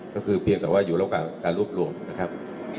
ก็คือเพียงแต่ว่าอยู่ระหว่างการรวบรวมนะครับ